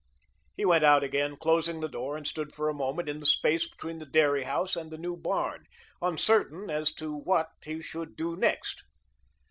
He went out again, closing the door, and stood for a moment in the space between the dairy house and the new barn, uncertain as to what he should do next.